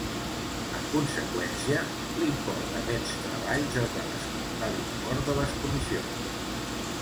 En conseqüència, l'import d'aquests treballs es va descomptar l'import de les comissions.